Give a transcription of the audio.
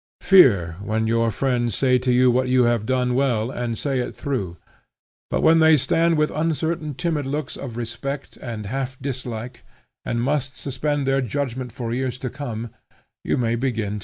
Fear, when your friends say to you what you have done well, and say it through; but when they stand with uncertain timid looks of respect and half dislike, and must suspend their judgment for years to come, you may begin to hope.